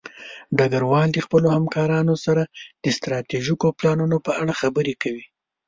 ډګروال د خپلو همکارانو سره د ستراتیژیکو پلانونو په اړه خبرې کوي.